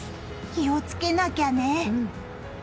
気をつけなきゃね！